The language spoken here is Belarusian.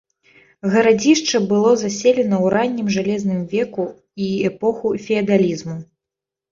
Гарадзішча было заселена ў раннім жалезным веку і эпоху феадалізму.